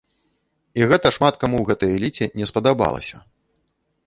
І гэта шмат каму ў гэтай эліце не спадабалася.